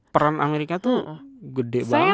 peran amerika tuh gede banget